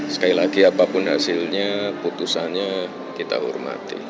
sekali lagi apapun hasilnya putusannya kita hormati